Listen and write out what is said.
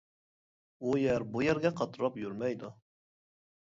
ئۇ يەر بۇ يەرگە قاتراپ يۈرمەيدۇ.